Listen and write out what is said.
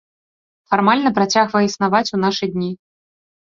Фармальна працягвае існаваць у нашы дні.